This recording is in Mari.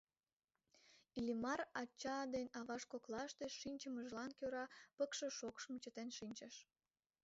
Иллимар, ача ден аваж коклаште шинчымыжлан кӧра, пыкше шокшым чытен шинчыш.